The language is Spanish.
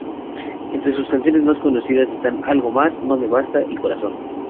Entre sus canciones más conocidas están "Algo más", "No me basta", y "Corazón".